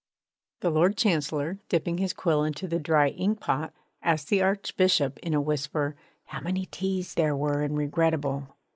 The Lord Chancellor, dipping his quill into the dry inkpot, asked the Archbishop in a whisper how many t's there were in 'regrettable.'